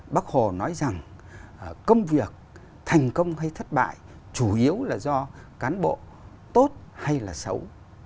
bác hồ nói rằng công việc thành công hay thất bại chủ yếu là do cán bộ tốt hay là xấu